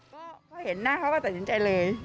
ก็พอเห็นหน้าเขาก็ตัดสินใจเลย